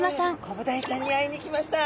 コブダイちゃんに会いに来ました。